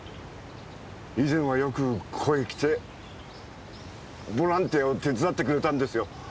以前はよくここへ来てボランティアを手伝ってくれたんですよ。